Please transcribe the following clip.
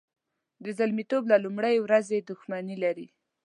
د زلمیتوب له لومړۍ ورځې دښمني لري.